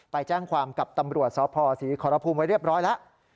ไปแจ้งความกับตำรวจสพศรีขอรภูมิไว้เรียบร้อยแล้ว